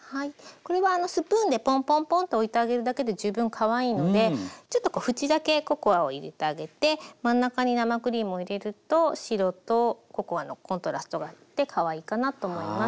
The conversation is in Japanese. これはスプーンでポンポンポンと置いてあげるだけで十分かわいいのでちょっとこう縁だけココアを入れてあげて真ん中に生クリームを入れると白とココアのコントラストがあってかわいいかなと思います。